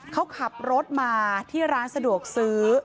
เขาขับรถมาที่ร้านสะดวกซื้อ